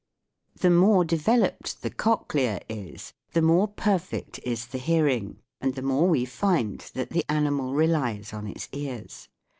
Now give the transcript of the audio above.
The more developed the cochlea is, the more perfect is the hearing and the more we find that SOUNDS OF THE SEA 141 the animal relies on its ears.